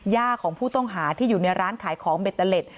ของผู้ต้องหาที่อยู่ในร้านขายของเบตเตอร์เล็ต